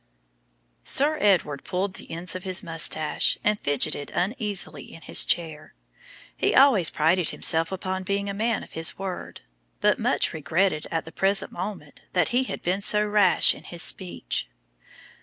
Sir Edward pulled the ends of his moustache and fidgeted uneasily in his chair. He always prided himself upon being a man of his word, but much regretted at the present moment that he had been so rash in his speech.